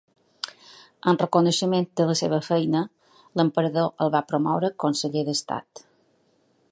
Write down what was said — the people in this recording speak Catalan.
En reconeixement de la seva feina, l'emperador el va promoure Conseller d'Estat.